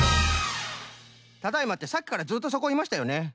「ただいま」ってさっきからずっとそこいましたよね？